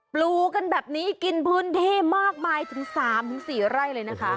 ปลูกกันแบบนี้กินพื้นที่มากมายถึง๓๔ไร่เลยนะคะ